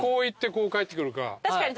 確かに。